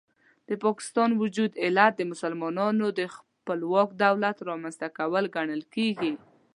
د پاکستان وجود علت د مسلمانانو د خپلواک دولت رامنځته کول ګڼل کېږي.